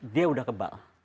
dia sudah kebal